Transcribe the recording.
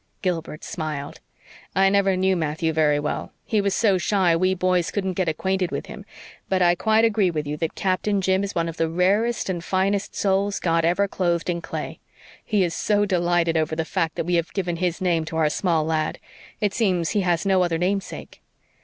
Gilbert smiled. "I never knew Matthew very well; he was so shy we boys couldn't get acquainted with him but I quite agree with you that Captain Jim is one of the rarest and finest souls God ever clothed in clay. He is so delighted over the fact that we have given his name to our small lad. It seems he has no other namesake."